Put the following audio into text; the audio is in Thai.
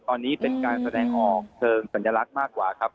ตอนนี้เป็นการแสดงออกเชิงสัญลักษณ์มากกว่าครับ